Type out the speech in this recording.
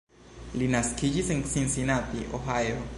Li naskiĝis en Cincinnati, Ohio.